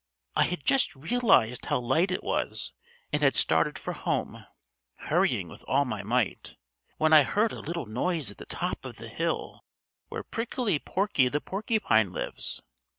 "I had just realized how light it was and had started for home, hurrying with all my might, when I heard a little noise at the top of the hill where Prickly Porky the Porcupine lives.